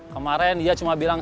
kemaren dia cuma bilang